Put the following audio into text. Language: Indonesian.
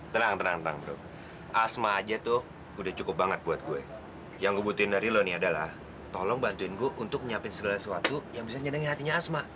tenang tenang asma aja tuh udah cukup banget buat gue yang gue butuhin dari lo nih adalah tolong bantuin gue untuk nyiapin segala sesuatu yang bisa nyenangin hatinya asma